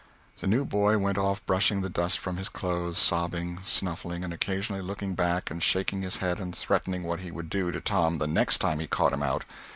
The new boy went off brushing the dust from his clothes, sobbing, snuffling, and occasionally looking back and shaking his head and threatening what he would do to Tom the "next time he caught him out."